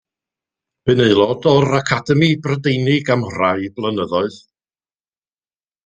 Bu'n aelod o'r Academi Brydeinig am rai blynyddoedd.